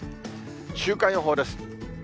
週間予報です。